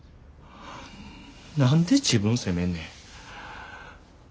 何で自分責めんねん。